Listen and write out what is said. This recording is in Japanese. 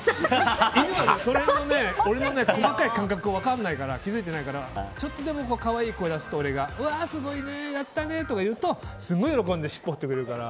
犬はその辺の俺の細かい感覚を分からないから気づいてないからちょっとでも俺が可愛い声出すとすごいね、やったねっていうとすごい喜んでしっぽ振ってくれるから。